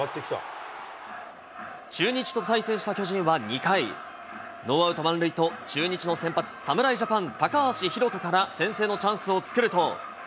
中日と対戦した巨人は２回、ノーアウト満塁と、中日の先発、侍ジャパン、高橋宏斗から先制のチャンスを作ると。